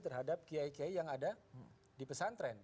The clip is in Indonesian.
terhadap kiai kiai yang ada di pesantren